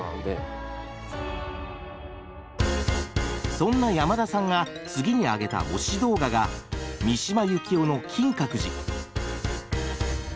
そんな山田さんが次に挙げた推し動画が三島由紀夫の「金閣寺」。